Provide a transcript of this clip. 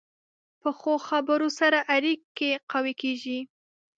پخو خبرو سره اړیکې قوي کېږي